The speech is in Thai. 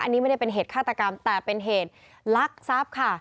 อันนี้ไม่ได้เป็นเหตุฆาตกรรมแต่เป็นเหตุลักษัพค่ะ